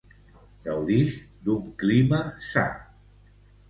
Gaudix d'un clima sa.